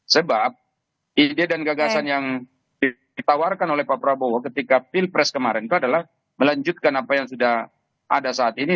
sebab ide dan gagasan yang ditawarkan oleh pak prabowo ketika pilpres kemarin itu adalah melanjutkan apa yang sudah ada saat ini